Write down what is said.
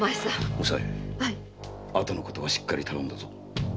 おさい後のことはしっかり頼んだぞ。